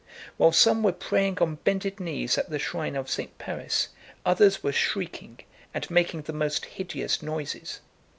While some were praying on bended knees at the shrine of St. Paris, others were shrieking and making the most hideous noises.